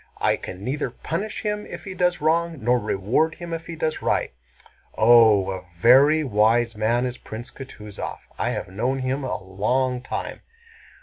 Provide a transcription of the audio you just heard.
"I can neither punish him if he does wrong nor reward him if he does right." "Oh, a very wise man is Prince Kutúzov! I have known him a long time!"